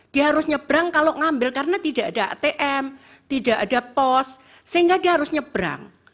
dia harus nyebrang kalau ngambil karena tidak ada atm tidak ada pos sehingga dia harus nyebrang